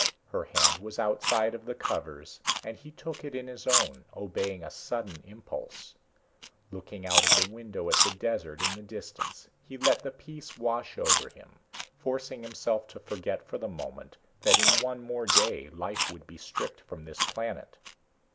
Her hand was outside of the covers and he took it in his own, obeying a sudden impulse. Looking out of the window at the desert in the distance, he let the peace wash over him, forcing himself to forget for the moment that in one more day life would be stripped from this planet.